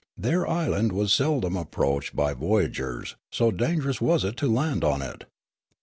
Their island was seldom approached b}' voyagers, so dangerous was it to land on it.